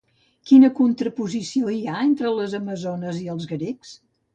Quina contraposició hi ha entre les amazones i els grecs?